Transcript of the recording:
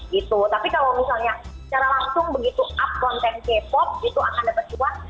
gitu tapi kalau misalnya secara langsung begitu up konten k pop itu akan dapat cuan